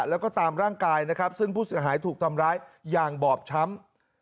แล้วก็ตามร่างกายนะครับซึ่งผู้เสียหายถูกทำร้ายอย่างบอบช้ำ